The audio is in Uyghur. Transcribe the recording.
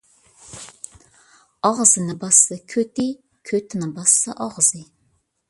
ئاغزىنى باسسا كۆتى، كۆتىنى باسسا ئاغزى.